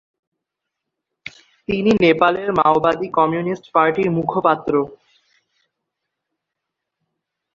তিনি নেপালের মাওবাদী কমিউনিস্ট পার্টির মুখপাত্র।